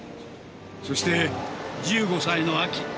そして１５歳の秋。